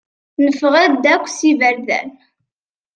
Neffeɣ-d akk s iberdan.